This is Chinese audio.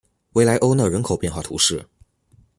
维莱欧讷人口变化图示